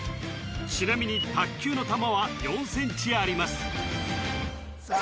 ちなみに卓球の球は４ｃｍありますさあ